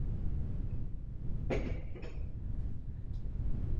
Na zádi se nacházely čtyři protilodní střely Harpoon.